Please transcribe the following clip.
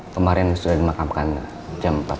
kemarin sudah dimakamkan jam empat sore pak